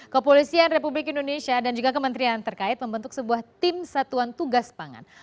kepolisian republik indonesia dan juga kementerian terkait membentuk sebuah tim satuan tugas pangan